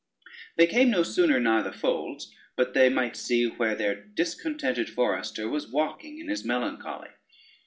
They came no sooner nigh the folds, but they might see where their discontented forester was walking in his melancholy.